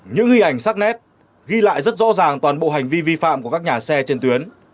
những ghi ảnh sắc nét ghi lại rất rõ ràng toàn bộ hành vi vi phạm của các nhà xe trên tuyến